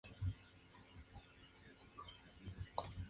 Mientras tanto la policía trata de intervenir el celular.